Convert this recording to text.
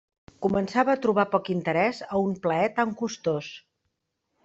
Començava a trobar poc interès a un plaer tan costós.